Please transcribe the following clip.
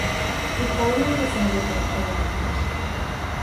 He finally decided not to run.